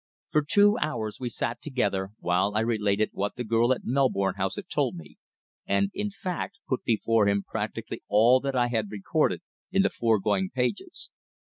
For two hours we sat together, while I related what the girl at Melbourne House had told me, and, in fact, put before him practically all that I have recorded in the foregoing pages.